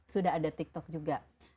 sudah ada tiktok juga